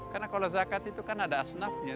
karena kalau zakat itu kan ada asnafnya